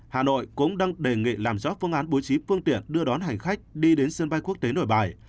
hà nội cũng đang đề nghị làm rõ phương án bố trí phương tiện đưa đón hành khách đi đến sân bay quốc tế nội bài